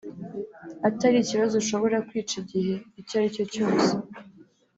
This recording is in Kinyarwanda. atari ikibazo ushobora kwica igihe icyo ari cyo cyose